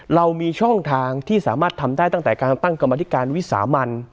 เรามีช่องทางที่สามารถทำได้ตั้งแต่การตั้งกรรมธิการวิสามัน